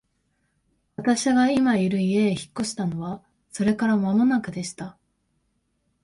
私が今居る家へ引っ越したのはそれから間もなくでした。